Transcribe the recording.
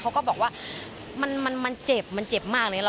เขาก็บอกว่ามันเจ็บมันเจ็บมากเลย